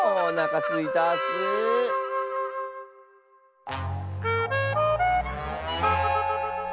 おなかすいたッス。